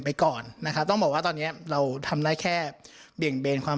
ไปก่อนนะครับต้องบอกว่าตอนเนี้ยเราทำได้แค่เบี่ยงเบนความ